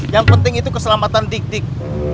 yang penting itu keselamatan dik dik